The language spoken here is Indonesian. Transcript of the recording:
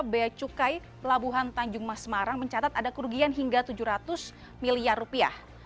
beacukai pelabuhan tanjung masmarang mencatat ada kerugian hingga tujuh ratus miliar rupiah